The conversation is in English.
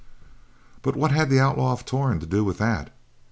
But what had the Outlaw of Torn to do with that!